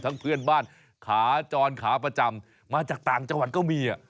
เพื่อนบ้านขาจรขาประจำมาจากต่างจังหวัดก็มี